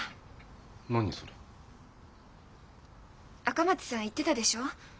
赤松さん言ってたでしょう？